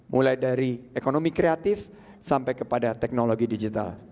mulai dari ekonomi kreatif sampai kepada teknologi digital